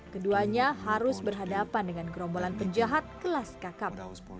keduanya harus berhadapan dengan gerombolan penjahat kelas kakap